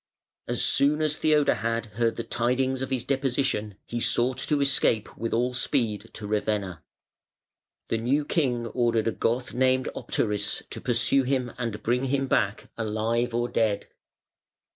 As soon as Theodahad heard the tidings of his deposition, he sought to escape with all speed to Ravenna. The new king ordered a Goth named Optaris to pursue him and bring him back alive or dead.